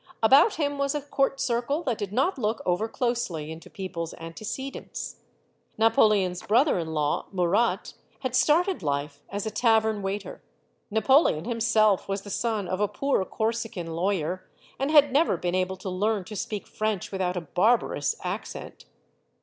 About him was a court circle that did not look overclosely into peoples* antecedents. Napoleon's brother in law, Murat, had started life as a tavern waiter; Napoleon himself was the son of a poor Corsican lawyer and had never been able to learn to speak French without a barbarous accent.